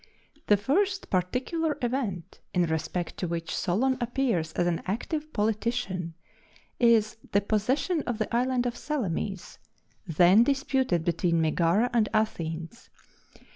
The first particular event in respect to which Solon appears as an active politician, is the possession of the island of Salamis, then disputed between Megara and Athens.